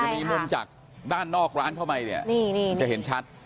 มีมุมจากด้านนอกร้านเข้าไปเนี่ยจะเห็นชัด